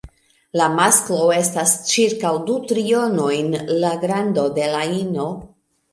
La masklo estas ĉirkaŭ du trionojn la grando de la ino.